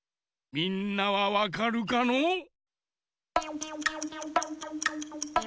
みんなはわかるかのう？